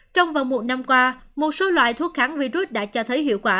trong vòng một năm qua một số loại thuốc kháng virus đã cho thấy hiệu quả